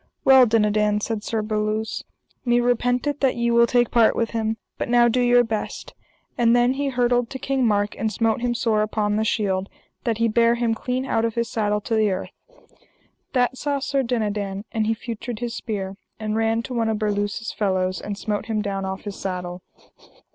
Well, Dinadan, said Sir Berluse, me repenteth that ye will take part with him, but now do your best. And then he hurtled to King Mark, and smote him sore upon the shield, that he bare him clean out of his saddle to the earth. That saw Sir Dinadan, and he feutred his spear, and ran to one of Berluse's fellows, and smote him down off his saddle.